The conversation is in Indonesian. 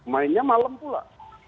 mainnya malam pula